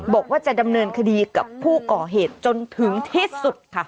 บอกว่าจะดำเนินคดีกับผู้ก่อเหตุจนถึงที่สุดค่ะ